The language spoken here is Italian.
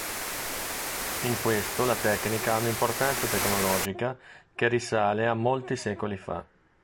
In questo la tecnica ha una importanza tecnologica che risale a molti secoli fa.